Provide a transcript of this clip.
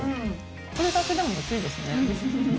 これだけでもおいしいですね。